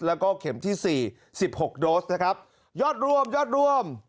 แล้วก็เข็มที่สี่สิบหกโดสนะครับยอดร่วมยอดร่วม